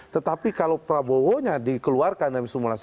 tetapi kalau prabowo dikeluarkan